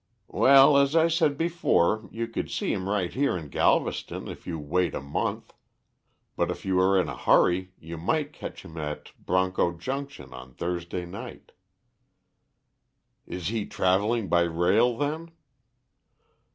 "Well, as I said before, you could see him right here in Galveston if you wait a month, but if you are in a hurry you might catch him at Broncho Junction on Thursday night." "He is travelling by rail then?"